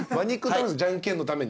じゃんけんのために？